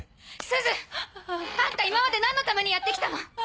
すず！あんた今まで何のためにやって来たの！